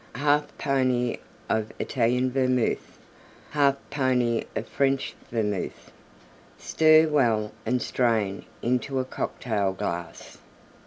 1/2 pony of Italian Vermouth. 1/2 pony of French Vermouth. Stir well and strain into a Cocktail glass.